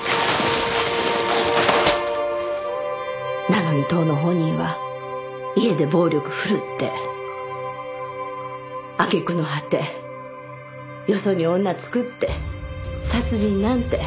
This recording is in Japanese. なのに当の本人は家で暴力振るって揚げ句の果てよそに女作って殺人なんて。